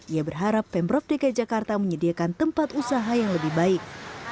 ia berharap pemprov dki jakarta menyediakan tempat usaha yang lebih baik